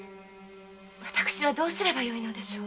私はどうすればよいのでしょう？